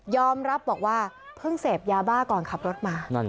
รับบอกว่าเพิ่งเสพยาบ้าก่อนขับรถมา